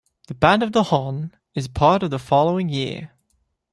The band of The Hon is part of the following year.